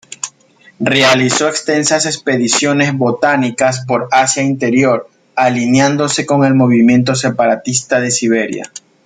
Realizó extensas expediciones botánicas por Asia Interior, alineándose con el movimiento separatista de Siberia.